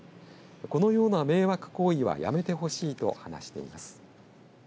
このような迷惑行為はやめてほしいと話しています。